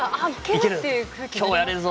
今日はやれるぞ！